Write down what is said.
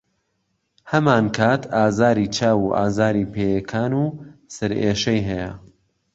هەمانکات ئازاری چاو و ئازاری پێیەکان و سەرئێشەی هەیە.